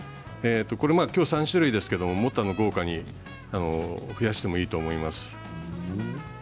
きょうは３種類ですけれどもっと豪華に増やしてもいいと思います。